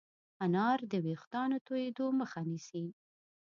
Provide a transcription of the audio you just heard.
انار د ويښتانو تویدو مخه نیسي.